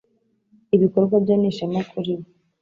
Ibikorwa bye ni ishema kuri we.